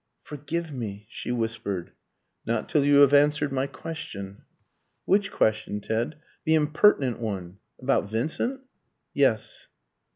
"Forgive me," she whispered. "Not till you have answered my question." "Which question, Ted?" "The impertinent one." "About Vincent?" "Yes."